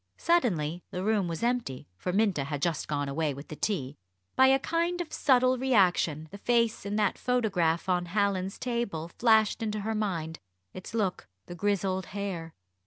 Suddenly the room was empty, for Minta had just gone away with the tea by a kind of subtle reaction, the face in that photograph on Hallin's table flashed into her mind its look the grizzled hair.